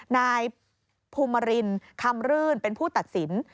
นายภูมิมารินคำรื่นเป็นผู้ตัดสิน